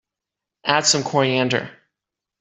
Add some coriander.